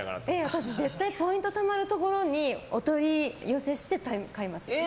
私、絶対ポイントたまるところに、お取り寄せして買います。